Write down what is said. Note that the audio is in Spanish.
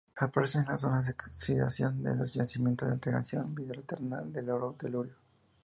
Aparece en la zona de oxidación de los yacimientos de alteración hidrotermal del oro-telurio.